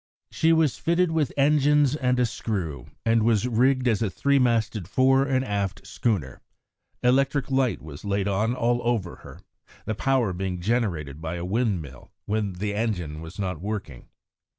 She was fitted with engines and a screw, and was rigged as a three masted fore and aft schooner. Electric light was laid on all over her, the power being generated by a windmill when the engine was not working.